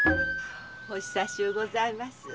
お久しゅうございます。